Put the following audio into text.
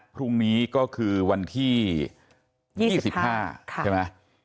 พรุ่งนี้ก็คือวันที่๒๕ใช่ไหม